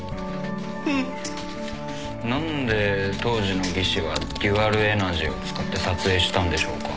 何で当時の技師はデュアルエナジーを使って撮影したんでしょうか。